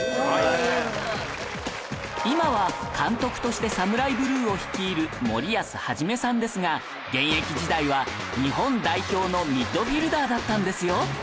今は監督として ＳＡＭＵＲＡＩＢＬＵＥ を率いる森保一さんですが現役時代は日本代表のミッドフィールダーだったんですよ